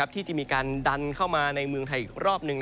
ที่จะมีการดันเข้ามาในเมืองไทยอีกรอบหนึ่ง